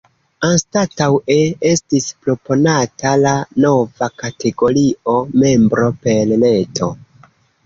Anstataŭe estis proponata la nova kategorio “Membro per Reto”.